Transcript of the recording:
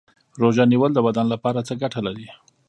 روژه نیول د بدن لپاره څه ګټه لري